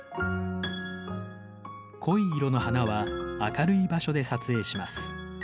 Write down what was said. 濃い色の花は明るい場所で撮影します。